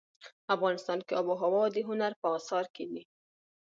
افغانستان کې آب وهوا د هنر په اثار کې دي.